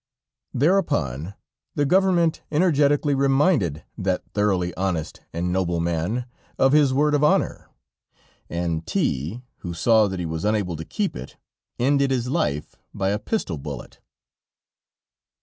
Thereupon, the government energetically reminded that thoroughly honest and noble man of his word of honor, and T , who saw that he was unable to keep it, ended his life by a pistol bullet.